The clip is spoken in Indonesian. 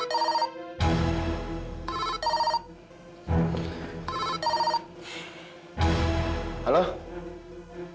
itu adalah pengajian beer